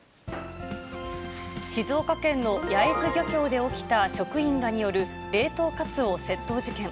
静岡県の焼津漁協で起きた職員らによる冷凍カツオ窃盗事件。